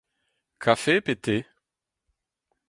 Kafe pe te ?